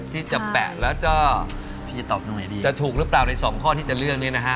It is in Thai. ที่จะแปะแล้วจะถูกหรือเปล่าในสองข้อที่จะเลือกเนี่ยนะฮะ